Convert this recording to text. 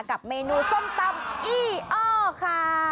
กับเมนูส้มตำอี้อ้อค่ะ